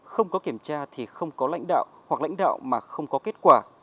không có kiểm tra thì không có lãnh đạo hoặc lãnh đạo mà không có kết quả